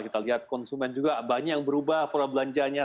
kita lihat konsumen juga banyak yang berubah perbelanjanya